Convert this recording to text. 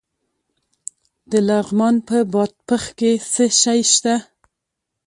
د لغمان په بادپخ کې څه شی شته؟